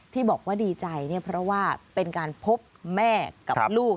ที่บอกว่าดีใจเนี่ยเพราะว่าเป็นการพบแม่กับลูก